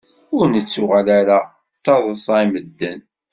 Ur nettuɣal ara d taḍṣa i medden.